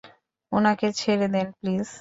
ওনাকে ছেড়ে দিন প্লিজ।